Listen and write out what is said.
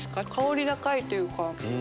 香り高いというか。